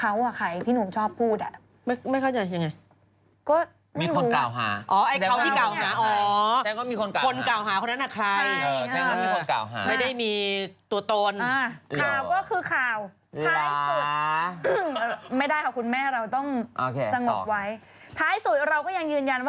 เออเพิร์ชเจอร์มีวัตถุบินได้ก็ละกัน